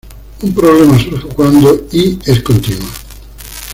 Un problema surge cuando Y es continua.